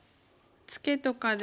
ツケとかで。